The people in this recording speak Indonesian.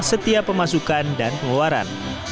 setiap pemasukan dan pengeluaran